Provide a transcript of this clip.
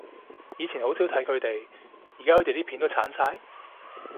以前好少睇佢哋，而家佢哋啲片都剷晒？